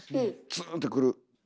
ツーンってくる。